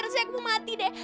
rasanya aku mau mati deh